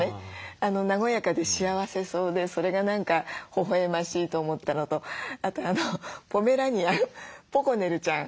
和やかで幸せそうでそれが何かほほえましいと思ったのとあとあのポメラニアンポコネルちゃん